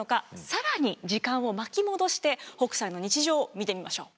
更に時間を巻き戻して北斎の日常見てみましょう。